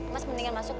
mas mendingan masuk